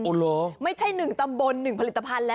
โอ้โหไม่ใช่๑ตำบล๑ผลิตภัณฑ์ตอนนี้